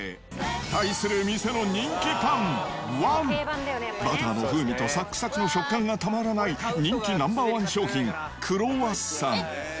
対する店の人気パン１、バターの風味とさくさくの食感がたまらない人気ナンバー１商品、クロワッサン。